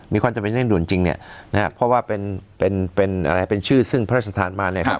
มีความจำเป็นเร่งด่วนจริงเนี่ยนะครับเพราะว่าเป็นเป็นอะไรเป็นชื่อซึ่งพระราชทานมาเนี่ยครับ